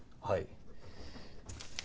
はい